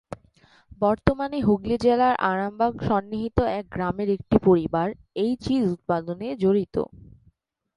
বর্তমানে হুগলি জেলার আরামবাগ সন্নিহিত এক গ্রামের একটি পরিবার এই চিজ উৎপাদনে জড়িত।